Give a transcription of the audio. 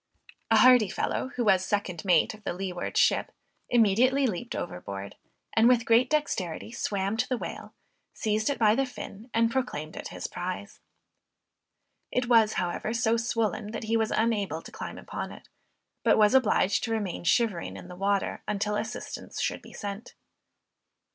A hardy fellow who was second mate of the leeward ship immediately leaped overboard and with great dexterity swam to the whale, seized it by the fin, and proclaimed it his prize. It was, however, so swollen, that he was unable to climb upon it, but was obliged to remain shivering in the water until assistance should be sent.